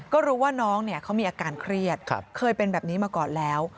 ก็รู้ว่าน้องเขามีอาการเครียดเคยเป็นแบบนี้มาก่อนแล้ว